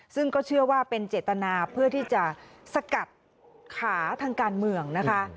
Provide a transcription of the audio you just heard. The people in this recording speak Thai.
ซึ่งก็เชื่อว่าเป็นเจตนาเพื่อที่จะสกัดขาทางการเมืองนะคะ